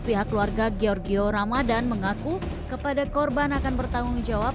pihak keluarga georgio ramadhan mengaku kepada korban akan bertanggung jawab